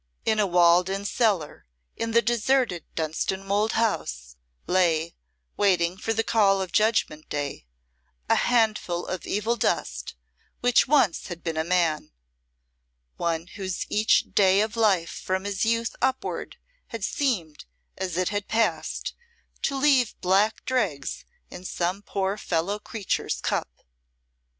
In a walled in cellar in the deserted Dunstanwolde House lay, waiting for the call of Judgment Day, a handful of evil dust which once had been a man one whose each day of life from his youth upward had seemed, as it had passed, to leave black dregs in some poor fellow creature's cup.